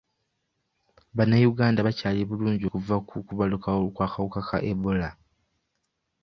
Bannayuganda bakyali bulungi okuva ku kubalukawo kw'akawuka ka ebola.